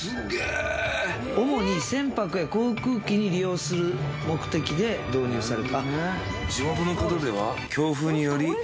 主に船舶や航空機に利用する目的で導入された。